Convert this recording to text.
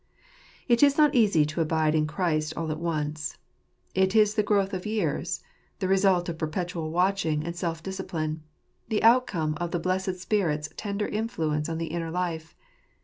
It is not easy to abide in Christ all at once , It is the growth of years; the result of perpetual watching and self discipline; the outcome of the blessed Spirit's tender influence on the inner life.